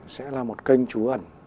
sẽ là một kênh trú ẩn